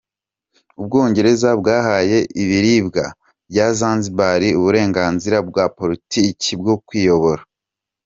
Ubwongereza bwahaye ibirwa bya Zanzibar uburenganzira bwa politiki bwo kwiyobora.